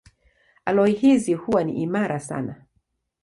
Aloi hizi huwa ni imara sana.